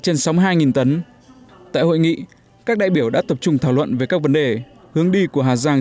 trên sáu mươi hai tấn tại hội nghị các đại biểu đã tập trung thảo luận về các vấn đề hướng đi của hà giang